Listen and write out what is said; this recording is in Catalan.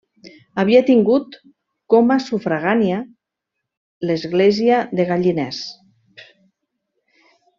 Havia tingut coma sufragània l'església de Galliners.